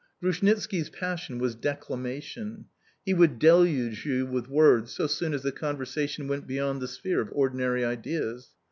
Grushnitski's passion was declamation. He would deluge you with words so soon as the conversation went beyond the sphere of ordinary ideas.